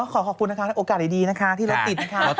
ขอขอบคุณทุกคนนะคะโอกาสดีที่เราติด